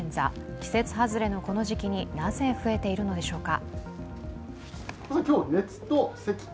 季節外れのこの時期に、なぜ増えているのでしょうか。